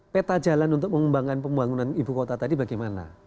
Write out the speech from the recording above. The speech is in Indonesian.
peta jalan untuk mengembangkan pembangunan ibu kota tadi bagaimana